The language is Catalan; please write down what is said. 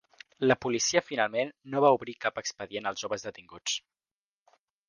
La policia finalment no va obrir cap expedient als joves detinguts.